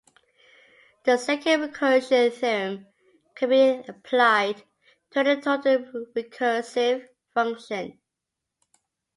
The second recursion theorem can be applied to any total recursive function.